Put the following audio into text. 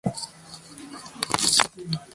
私はあなたを、本当に愛している。